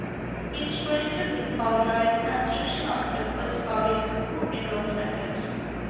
He is credited with authorizing construction of the first public school in Los Angeles.